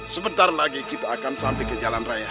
sebentar lagi kita akan sampai ke jalan raya